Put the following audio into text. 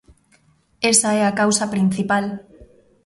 Esa é a causa principal.